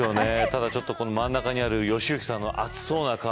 ただ、ちょっと真ん中にある良幸さんの暑そうな顔。